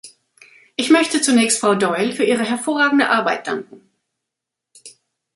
Ich möchte zunächst Frau Doyle für ihre hervorragende Arbeit danken.